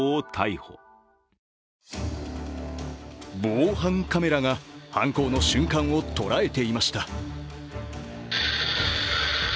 防犯カメラが犯行の瞬間を捉えていました。